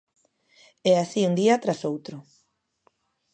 E así un día tras outro.